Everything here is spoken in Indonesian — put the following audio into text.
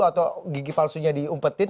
atau gigi palsunya diumpetin